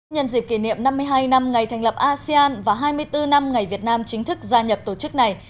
nhân dịp kỷ niệm năm mươi hai năm ngày thành lập asean và hai mươi bốn năm ngày việt nam chính thức gia nhập tổ chức này